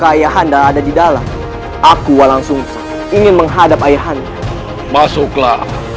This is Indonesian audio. ayahana menyaksikan itu semua